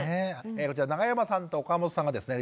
こちら永山さんと岡本さんがですね